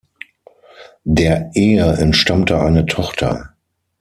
Der Ehe entstammte eine Tochter.